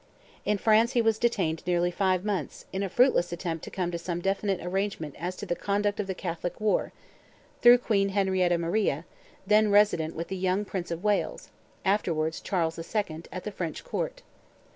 In France he was detained nearly five months, in a fruitless attempt to come to some definite arrangement as to the conduct of the Catholic war, through Queen Henrietta Maria, then resident with the young Prince of Wales—afterwards Charles II.—at the French court.